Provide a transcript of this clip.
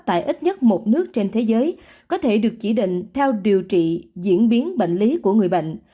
tại ít nhất một nước trên thế giới có thể được chỉ định theo điều trị diễn biến bệnh lý của người bệnh